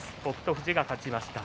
富士が勝ちました。